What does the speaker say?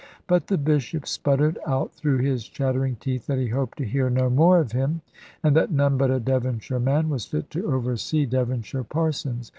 But the Bishop sputtered out through his chattering teeth that he hoped to hear no more of him, and that none but a Devonshire man was fit to oversee Devonshire parsons.